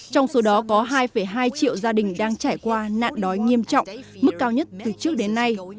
trong số đó có hai hai triệu gia đình đang trải qua nạn đói nghiêm trọng mức cao nhất từ trước đến nay